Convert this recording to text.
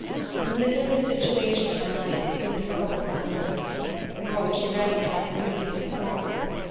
The miserable situation of my mind was soon discovered by my mother; nor would she rest till I communicated the cause.